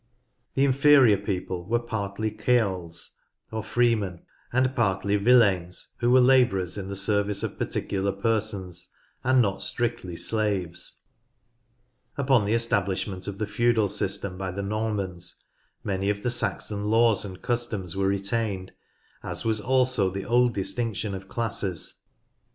The inferior people were partly ceorls or freemen, and partly villeins who were labourers in the service of particular persons, and not strictly slaves. Upon the establishment of the feudal system by the Normans many of the Saxon laws and customs were retained, as was also the old distinction of classes.